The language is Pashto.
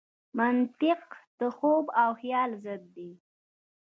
منطق د خوب او خیال ضد دی.